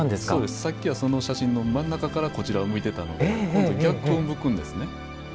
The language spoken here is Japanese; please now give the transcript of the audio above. さっきはその写真の真ん中からこちらを向いていたので今度は逆を向くんですね。